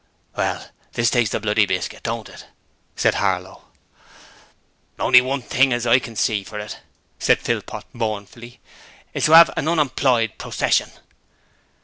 'Well, this takes the bloody biskit, don't it?' said Harlow. 'The only thing as I can see for it,' said Philpot mournfully, 'is to 'ave a unemployed procession.'